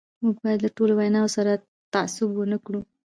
موږ باید له ټولو ویناوو سره تعصب ونه کړو.